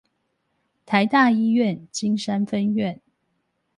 臺大醫院金山分院